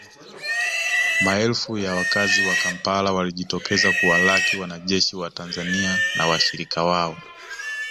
Maelfu ya wakazi wa Kampala walijitokeza kuwalaki wanajeshi wa Tanzania na washirika wao